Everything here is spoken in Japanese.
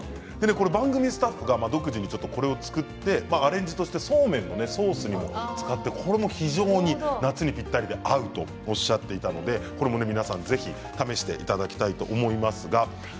番組スタッフが独自に作ったアレンジ、そうめんを入れて非常に夏にぴったりで合うとおっしゃっていたのでこれも皆さんぜひ試していただきたいと思います。